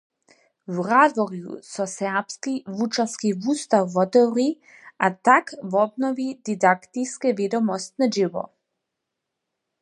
W Radworju so serbski wučerski wustaw wotewri a tak wobnowi didaktiske-wědomostne dźěło.